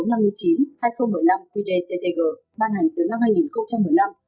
nghị định số bảy hai nghìn một mươi năm qdttg ban hành từ năm hai nghìn một mươi năm